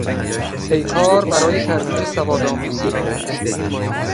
پیکار برای ترویج سوادآموزی